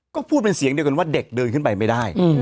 ก็พูดเป็นเสียงเดียวกันว่าเด็กเดินขึ้นไปไม่ได้